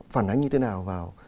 phản ánh như thế nào vào